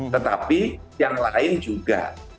tetapi yang lain juga